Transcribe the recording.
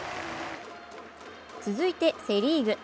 続いてセ・リーグ。